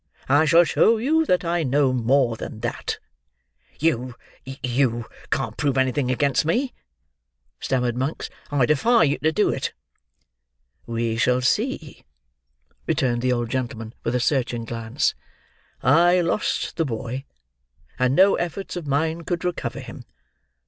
"I shall show you that I know more than that." "You—you—can't prove anything against me," stammered Monks. "I defy you to do it!" "We shall see," returned the old gentleman with a searching glance. "I lost the boy, and no efforts of mine could recover him.